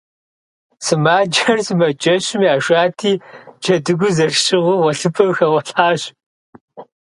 Сымаджэр сымаджэщым яшати, джэдыгур зэрыщыгъыу гъуэлъыпӏэм хэгъуэлъхьащ.